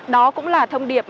đó cũng là thông điệp